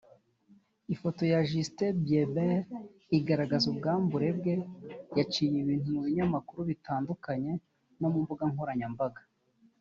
Ifoto ya Justin Bieber igaragaza ubwambure bwe yaciye ibintu mu binyamakuru bitandukanye no ku mbuga nkoranyambaga